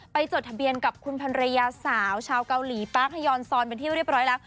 จดทะเบียนกับคุณพันรยาสาวชาวเกาหลีปาร์คฮยอนซอนเป็นที่เรียบร้อยแล้ว